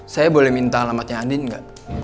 saya boleh minta alamatnya andin gak